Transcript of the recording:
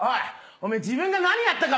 お前自分が何やったか。